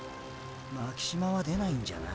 巻島は出ないんじゃない。